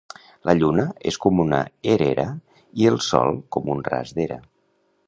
La lluna és com una erera i el sol com un ras d'era.